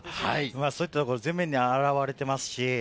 そういったところが全面に表れています。